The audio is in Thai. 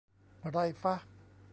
ไรฟะ